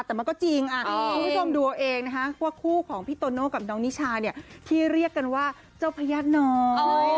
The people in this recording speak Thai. แต่มันก็จริงคุณผู้ชมดูเอาเองนะคะว่าคู่ของพี่โตโน่กับน้องนิชาเนี่ยที่เรียกกันว่าเจ้าพญาติน้อย